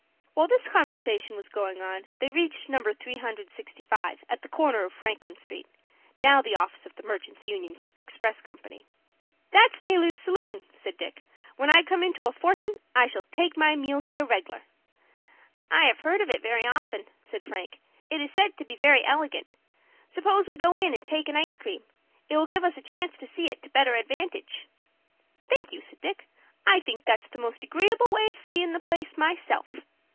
While this conversation was going on they reached No. 365, at the corner of Franklin Street.* * Now the office of the Merchants' Union Express Company. "That's Taylor's Saloon," said Dick. "When I come into a fortun' I shall take my meals there reg'lar." "I have heard of it very often," said Frank. "It is said to be very elegant. Suppose we go in and take an ice cream. It will give us a chance to see it to better advantage." "Thank you," said Dick; "I think that's the most agreeable way of seein' the place myself."